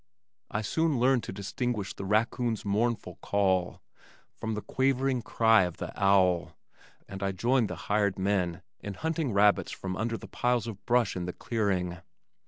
I soon learned to distinguish the raccoon's mournful call from the quavering cry of the owl, and I joined the hired man in hunting rabbits from under the piles of brush in the clearing.